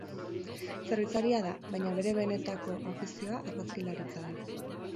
Zerbitzaria da, baina bere benetako afizioa argazkilaritza da.